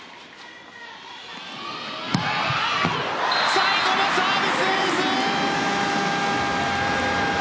最後もサービスエース！